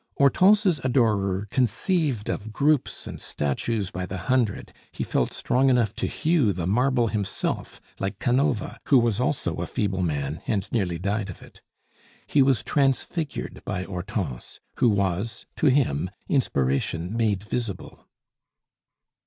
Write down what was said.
Hortense's adorer conceived of groups and statues by the hundred; he felt strong enough to hew the marble himself, like Canova, who was also a feeble man, and nearly died of it. He was transfigured by Hortense, who was to him inspiration made visible.